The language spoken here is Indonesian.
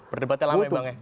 perdebatan lama memang ya